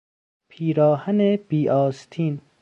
پیراهن بی آستین